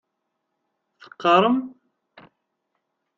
Teqqaṛem?